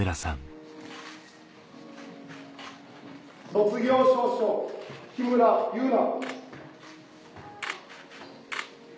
卒業証書木村汐凪。